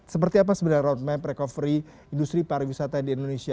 seperti apa sebenarnya roadmap recovery industri pariwisata di indonesia